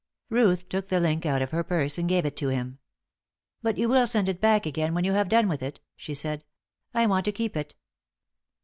Ruth took the link out of her purse and gave it to him. "But you will send it back again when you have done with it?" she said. "I want to keep it."